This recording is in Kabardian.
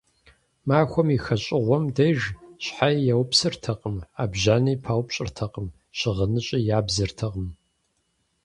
Махуэм и хэщӀыгъуэм деж щхьэи яупсыртэкъым, Ӏэбжьани паупщӀыртэкъым, щыгъыныщӀи ябзыртэкъым.